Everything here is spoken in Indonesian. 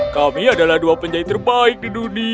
kami adalah dua penjahit terbaik di dunia